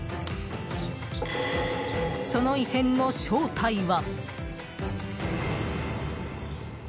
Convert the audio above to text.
その異変の正体は。